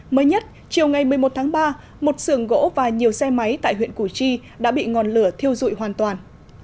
mới nhất chiều ngày một mươi một tháng ba một sườn gỗ và nhiều xe máy tại huyện củ chi đã bị ngọn lửa thiêu dụi hoàn toàn